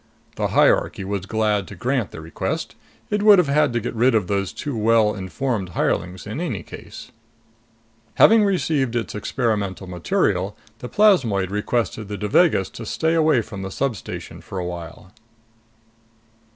The hierarchy was glad to grant the request. It would have had to get rid of those too well informed hirelings in any case. Having received its experimental material, the plasmoid requested the Devagas to stay away from the substation for a while.